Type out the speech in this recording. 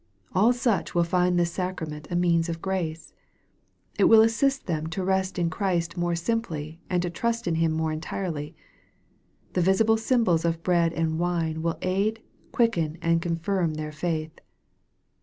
All such will find this sacrament a means of grace. It will assist them to rest in Christ more simply, and to trust in Him more entirely. Tha visible symbols of bread and wine will aid, quicken, and confirm their faith.